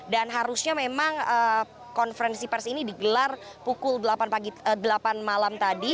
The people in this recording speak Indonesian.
dan harusnya memang konferensi pers ini digelar pukul delapan malam tadi